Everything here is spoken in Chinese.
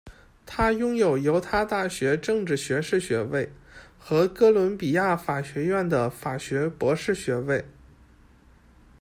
他拥有犹他大学的政治学学士学位和哥伦比亚法学院的法学博士学位。